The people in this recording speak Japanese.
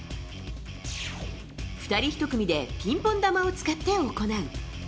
２人１組でピンポン球を使って行う。